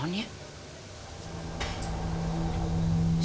bukannya bangun ya